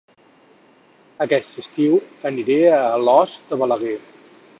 Aquest estiu aniré a Alòs de Balaguer